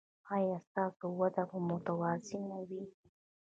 ایا ستاسو وده به متوازنه وي؟